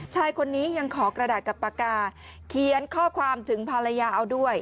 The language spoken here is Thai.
ชายคนนี้ยังขอกระดาษกับปากกาเขียนข้อความถึงภรรยาเอาด้วย